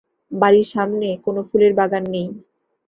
বাড়ির সামনে কোনো ফুলের বাগান নেই।